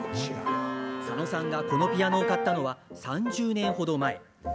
佐野さんがこのピアノを買ったのは３０年ほど前。